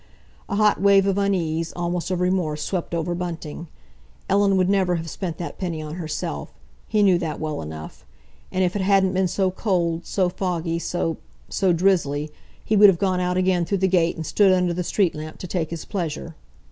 A hot wave of unease, almost of remorse, swept over Bunting. Ellen would never have spent that penny on herself—he knew that well enough—and if it hadn't been so cold, so foggy, so—so drizzly, he would have gone out again through the gate and stood under the street lamp to take his pleasure.